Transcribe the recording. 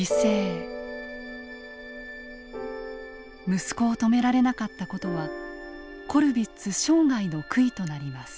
息子を止められなかった事はコルヴィッツ生涯の悔いとなります。